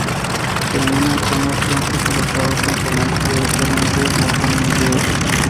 Termina con los troncos arrojados a un canal, que eventualmente desembocan en un río.